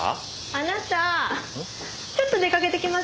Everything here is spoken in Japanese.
あなたちょっと出かけてきます。